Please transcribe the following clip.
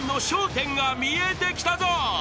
１０が見えてきたぞ］